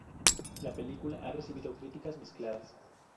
La película ha recibido críticas mezcladas.